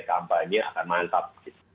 kampanye akan mantap